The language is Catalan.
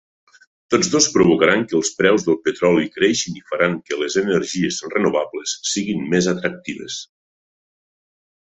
Tots dos provocaran que els preus del petroli creixin i faran que les energies renovables siguin més atractives.